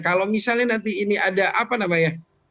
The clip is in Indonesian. kalau misalnya nanti ini ada apa namanya